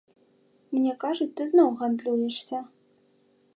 Мне кажуць, ты зноў гандлюешся.